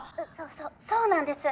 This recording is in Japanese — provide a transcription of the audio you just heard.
そそそうなんです。